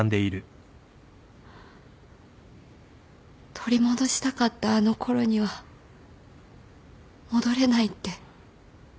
取り戻したかったあのころには戻れないって。